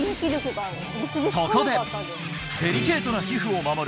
そこでデリケートな皮膚を守る